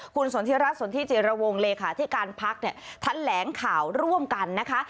คุณสนทิรัฐสนทิจิรวงเลขาธิการพักเนี่ยทันแหลงข่าวร่วมกันนะคะ